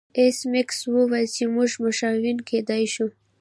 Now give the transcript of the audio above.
ایس میکس وویل چې موږ مشاورین کیدای شو